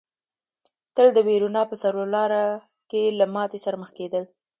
تل د وېرونا په څلور لاره کې له ماتې سره مخ کېدل.